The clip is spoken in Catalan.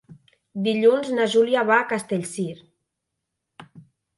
Dilluns na Júlia va a Castellcir.